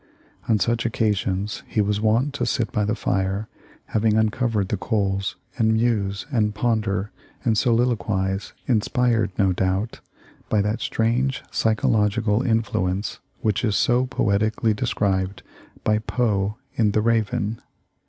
On such occasions he was wont to sit by the fire, having uncovered the coals, and muse, and ponder, and soliloquize, inspired, no doubt, by that strange psychological influence which is so poetically described by Poe in 'The Raven.'